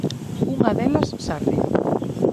Unha delas Sarria.